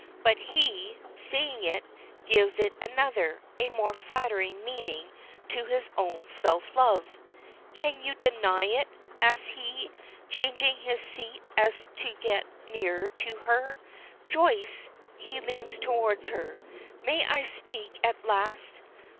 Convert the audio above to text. But he, seeing it, gives it another, a more flattering meaning to his own self love. "Can you deny it?" asks he, changing his seat so as to get nearer to her. "Joyce!" He leans toward her. "May I speak at last?